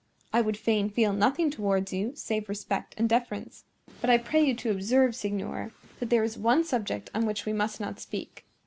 I would fain feel nothing towards you save respect and deference; but I pray you to observe, signor, that there is one subject on which we must not speak.